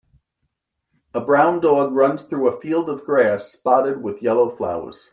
A brown dog runs through a field of grass spotted with yellow flowers